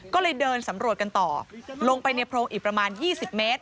ก็เลยเดินสำรวจกันต่อลงไปในโพรงอีกประมาณ๒๐เมตร